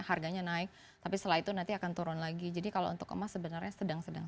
harganya naik tapi setelah itu nanti akan turun lagi jadi kalau untuk emas sebenarnya sedang sedang